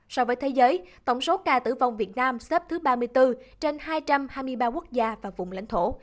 so với thế giới tổng số ca tử vong việt nam xếp thứ ba mươi bốn trên hai trăm hai mươi ba quốc gia và vùng lãnh thổ